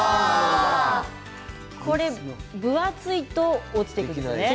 これ、分厚いと落ちてくるんですよね。